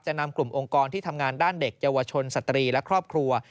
นำกลุ่มองค์กรที่ทำงานด้านเด็กเยาวชนสตรีและครอบครัว